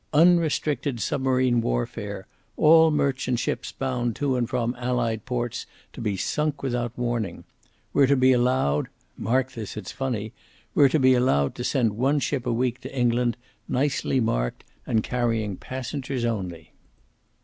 Unrestricted submarine warfare! All merchant ships bound to and from Allied ports to be sunk without warning! We're to be allowed mark this, it's funny! we're to be allowed to send one ship a week to England, nicely marked and carrying passengers only."